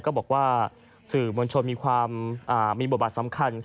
ก็บอกว่าสื่อมวลชนมีความมีบทบาทสำคัญ